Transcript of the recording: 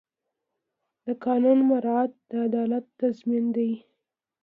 د قانون مراعات د عدالت تضمین دی.